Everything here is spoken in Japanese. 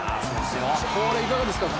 これいかがですか。